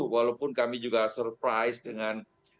walaupun kami juga surprise dengan